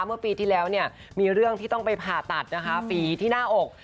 เมื่อปีที่แล้วเนี่ยมีเรื่องที่ต้องไปผ่าตัดนะคะฝีที่หน้าอก